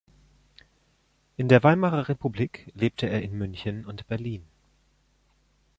In der Weimarer Republik lebte er in München und Berlin.